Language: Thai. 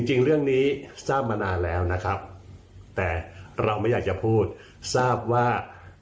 จริงเรื่องนี้ทราบมานานแล้วนะครับแต่เราไม่อยากจะพูดทราบว่า